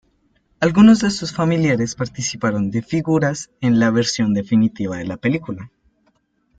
Algunos de estos familiares participaron de figurantes en la versión definitiva de la película.